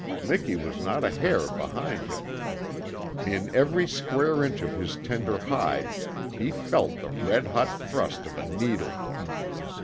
Miki was not a hair behind him. In every square inch of his tender hide he felt the red hot thrust of a needle.